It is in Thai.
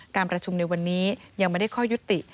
การประชุมในวันนี้ยังไม่ได้ข้อยุติ